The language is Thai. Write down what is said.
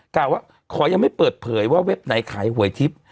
กล่าวว่าขอยังไม่เปิดเผยว่าเว็บไหนขายหวยทิพย์